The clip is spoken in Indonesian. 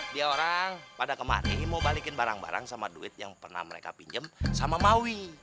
dia orang pada kemarin mau balikin barang barang sama duit yang pernah mereka pinjam sama maui